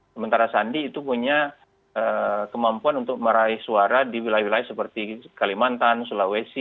sementara sandi itu punya kemampuan untuk meraih suara di wilayah wilayah seperti kalimantan sulawesi